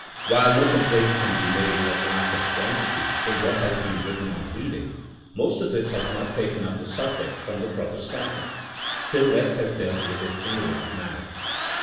While no complaint can be made of lack of quantity in what has been written on reading, most of it has not taken up the subject from the proper standpoint ; stUl less has dealt with it in the right manner.